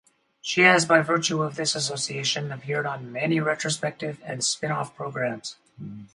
She has, by virtue of this association, appeared on many retrospective and spin-off programmes.